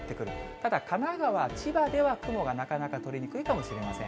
ただ神奈川、千葉では雲がなかなか取れにくいかもしれません。